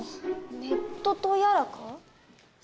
ネットとやらか？